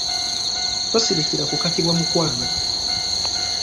Tosirikira kukakibwa mukwano.